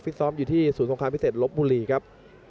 ซ้อมอยู่ที่ศูนย์สงครามพิเศษลบบุรีครับ